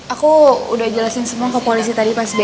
aku udah jelasin semua kok polisi tadi pas bap